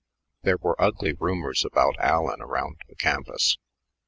There were ugly rumors about Allen around the campus.